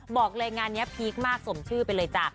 บอกเลยงานนี้พีคมากสมชื่อไปเลยจ้ะ